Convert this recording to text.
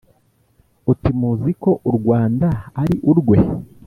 Uti: Muzi ko u Rwanda ari urwe